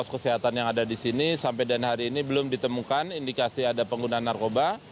tujuh belas kesehatan yang ada di sini sampai dan hari ini belum ditemukan indikasi ada pengguna narkoba